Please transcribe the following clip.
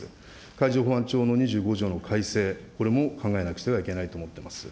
海上保安庁の２５条の改正、これも考えなくてはいけないと思っています。